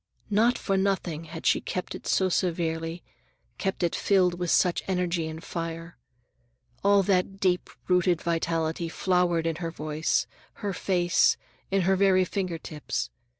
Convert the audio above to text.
Not for nothing had she kept it so severely, kept it filled with such energy and fire. All that deep rooted vitality flowered in her voice, her face, in her very finger tips.